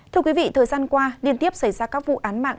thưa quý vị thời gian qua liên tiếp xảy ra các vụ án mạng